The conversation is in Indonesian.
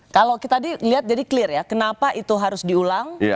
kalau kita lihat jadi clear ya kenapa itu harus diulang